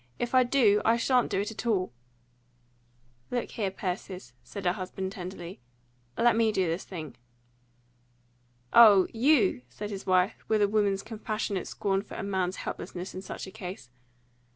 If I do, I shan't do it at all." "Look here, Persis," said her husband tenderly, "let me do this thing." "Oh, YOU!" said his wife, with a woman's compassionate scorn for a man's helplessness in such a case.